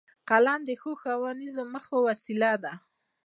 قلم د ښو ښوونیزو موخو وسیله ده